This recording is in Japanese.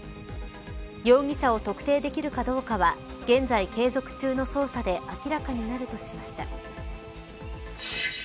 容疑者を特定できるかどうかは現在継続中の捜査で明らかになるとしました。